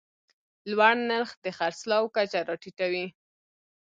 لوړ نرخ د خرڅلاو کچه راټیټوي.